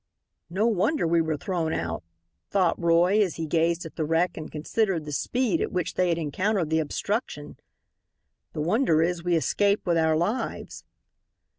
"No wonder we were thrown out," thought Roy, as he gazed at the wreck and considered the speed at which they had encountered the obstruction. "The wonder is we escaped with our lives."